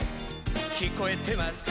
聞こえてますか」